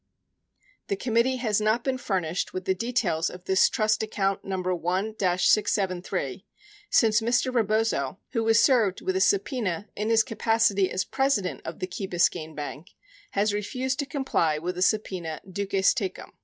84 The committee has not been furnished with the details of this trust account No. 1 673 since Mr. Rebozo, who was served with a subpena in his capacity as president of the Key Biscayne Bank, has refused to comply with a subpena duces tecum.